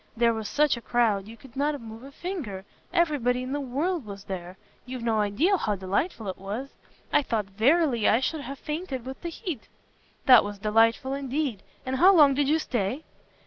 There was such a crowd, you could not move a finger. Every body in the world was there. You've no idea how delightful it was. I thought verily I should have fainted with the heat." "That was delightful indeed! And how long did you stay?"